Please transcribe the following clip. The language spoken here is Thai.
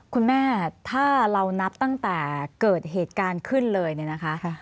คุณแม่ถ้าเรานับตั้งแต่เกิดเหตุการณ์ขึ้นเลยเนี่ยนะคะ